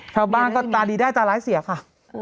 ชาวบ้านก็ตาดีได้ตาร้ายเสียค่ะ